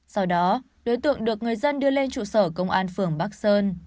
sau đó đối tượng được người dân đưa lên trụ sở công an phường bắc sơn